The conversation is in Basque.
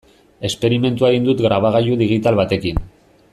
Esperimentua egin dut grabagailu digital batekin.